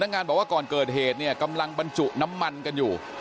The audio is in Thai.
งานบอกว่าก่อนเกิดเหตุเนี่ยกำลังบรรจุน้ำมันกันอยู่